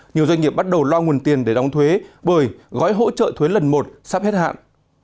nhiều doanh nghiệp bắt đầu loa nguồn tiền để đóng thuế bởi gói hỗ trợ thuế lần một sắp hết hạn